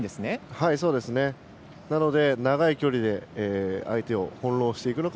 なので、長い距離で相手を翻弄していくのか。